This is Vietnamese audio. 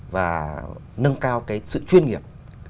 và nâng cao cái sự chuyên nghiệp